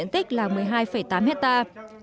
tích là một mươi hai tám hectare